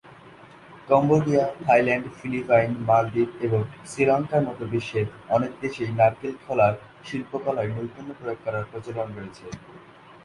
Cambodia, Thailand, Philippines, মালদ্বীপ এবং শ্রীলঙ্কার মতো বিশ্বের অনেক দেশেই নারকেল খোলার শিল্পকলায় নৈপুণ্য প্রয়োগ করার প্রচলন রয়েছে।